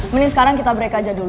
mending sekarang kita break aja dulu